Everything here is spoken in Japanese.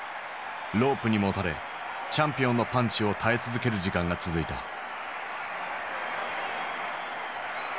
ロープにもたれチャンピオンのパンチを耐え続ける時間が続いた。